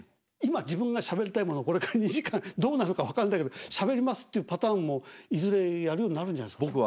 今自分がしゃべりたいものをこれから２時間どうなるか分かんないけどしゃべりますっていうパターンもいずれやるようになるんじゃないですか。